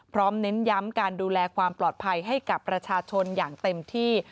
เน้นย้ำการดูแลความปลอดภัยให้กับประชาชนอย่างเต็มที่